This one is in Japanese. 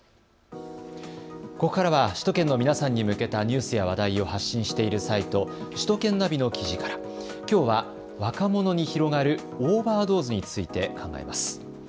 ここからは首都圏の皆さんに向けたニュースや話題を発信しているサイト、首都圏ナビの記事からきょうは若者に広がるオーバードーズについて考えます。